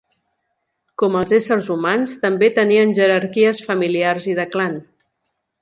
Com els éssers humans, també tenien jerarquies familiars i de clan.